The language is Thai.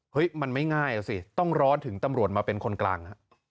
มันไม่ง่ายอ่ะสิต้องร้อนถึงตำรวจมาเป็นคนกลาง